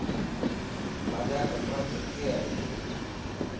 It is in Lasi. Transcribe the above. مانجا ڪپڙا ڪٿي ائين